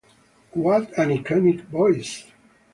What an iconic voice!